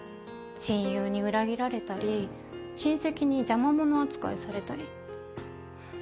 親友に裏切られたり親戚に邪魔者扱いされたり。